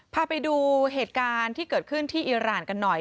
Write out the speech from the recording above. พาไปดูเหตุการณ์ที่เกิดขึ้นที่อิราณกันหน่อย